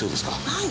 はい。